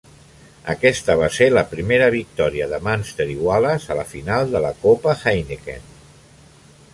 Aquesta va ser la primera victòria de Munster i Wallace a la final de la Copa Heineken.